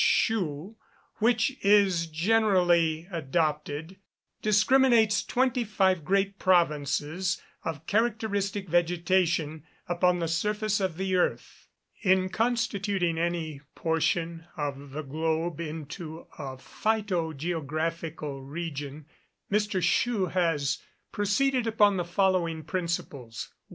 Schouw, which is usually adopted, discriminates twenty five great provinces of characteristic vegetation upon the surface of the earth. In constituting any portion of the globe into a phyto geographical region, M. Schouw has proceeded upon the following principles: 1.